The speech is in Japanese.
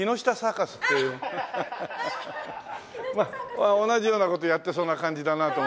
同じような事やってそうな感じだなと思って来ました。